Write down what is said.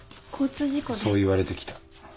そう言われてきた。